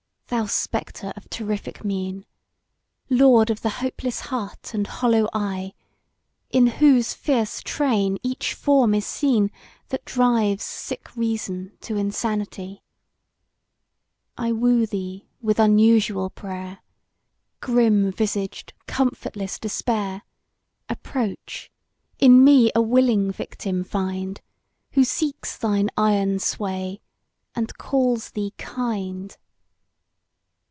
THOU spectre of terrific mien! Lord of the hopeless heart and hollow eye, In whose fierce train each form is seen That drives sick Reason to insanity! I woo thee with unusual prayer, "Grim visaged, comfortless Despair:" Approach; in me a willing victim find, Who seeks thine iron sway and calls thee kind!